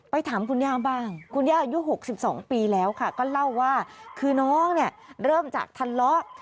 ถามคุณย่าบ้างคุณย่าอายุ๖๒ปีแล้วค่ะก็เล่าว่าคือน้องเนี่ยเริ่มจากทะเลาะ